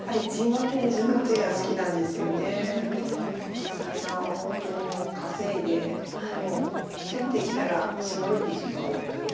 藤沢さんは本当に稼いでもう攻めてきたらシノいでしまおうという。